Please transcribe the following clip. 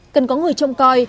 cần có người trông coi